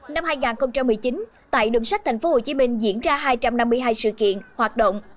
năm hai nghìn một mươi chín tại đường sách tp hcm diễn ra hai trăm năm mươi hai sự kiện hoạt động